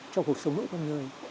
trong cuộc sống mỗi con người